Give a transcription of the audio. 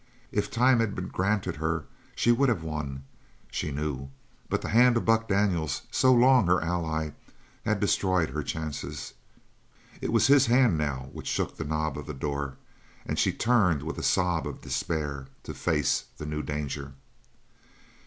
If time had been granted her she would have won, she knew, but the hand of Buck Daniels, so long her ally, had destroyed her chances. It was his hand now which shook the knob of the door, and she turned with a sob of despair to face the new danger.